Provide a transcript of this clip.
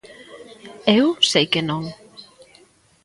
Eu sei que non.